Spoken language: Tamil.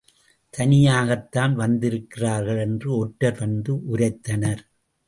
தனியாகத்தான் வந்திருக்கிறார்கள் என்று ஒற்றர் வந்து உரைத்தனர்.